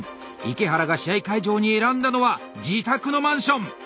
池原が試合会場に選んだのは自宅のマンション。